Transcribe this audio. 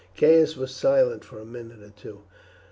Caius was silent for a minute or two.